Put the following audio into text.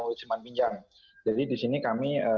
ujiman pinjang jadi disini kami